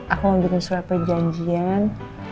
aku mau bikin surat perjanjian